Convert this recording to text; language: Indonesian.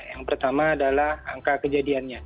yang pertama adalah angka kejadiannya